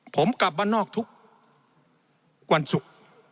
ผมกลับบ้านนอกทุกวันศุกร์